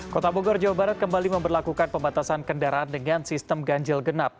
kota bogor jawa barat kembali memperlakukan pembatasan kendaraan dengan sistem ganjil genap